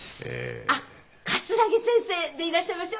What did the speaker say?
あっ桂木先生でいらっしゃいましょ？